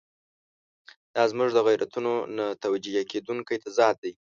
دا زموږ د غیرتونو نه توجیه کېدونکی تضاد دی.